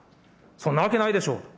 そんなわけないでしょう。